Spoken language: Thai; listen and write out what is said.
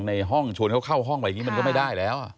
ในห้องชวนเขาเข้าห้องอะไรอย่างนี้มันก็ไม่ได้แล้ว